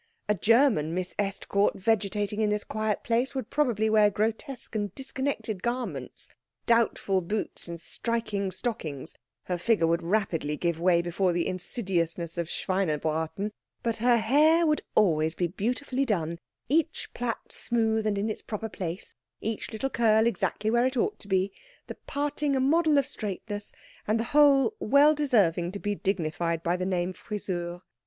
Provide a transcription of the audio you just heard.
A German Miss Estcourt vegetating in this quiet place would probably wear grotesque and disconnected garments, doubtful boots and striking stockings, her figure would rapidly give way before the insidiousness of Schweinebraten, but her hair would always be beautifully done, each plait smooth and in its proper place, each little curl exactly where it ought to be, the parting a model of straightness, and the whole well deserving to be dignified by the name Frisur.